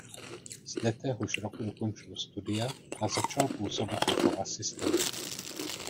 Zde téhož roku dokončil studia a začal působit jako asistent.